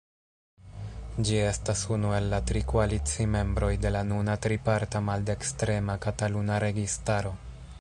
Ĝi estas unu el la tri koalicimembroj de la nuna triparta maldekstrema kataluna registaro.